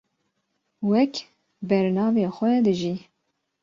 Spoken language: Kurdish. wek bernavê xwe dijî